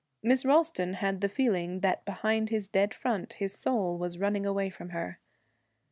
Miss Ralston had the feeling that behind his dead front his soul was running away from her.